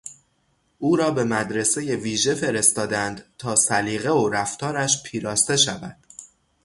او را به مدرسهی ویژه فرستادند تا سلیقه و رفتارش پیراسته شود.